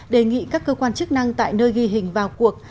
đề nghị các cơ quan chức năng tại nơi ghi hình vào cuộc